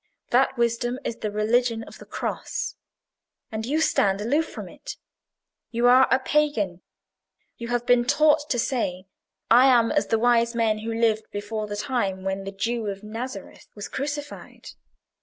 That wisdom is the religion of the Cross. And you stand aloof from it: you are a pagan; you have been taught to say, 'I am as the wise men who lived before the time when the Jew of Nazareth was crucified.